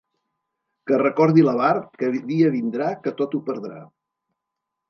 Que recordi l'avar, que dia vindrà, que tot ho perdrà.